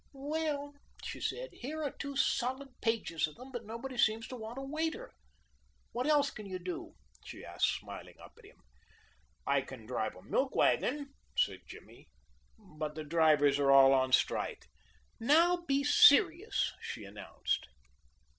"Well," she said, "here are two solid pages of them, but nobody seems to want a waiter. What else can you do?" she asked smiling up at him. "I can drive a milk wagon," said Jimmy, "but the drivers are all on strike." "Now, be serious," she announced.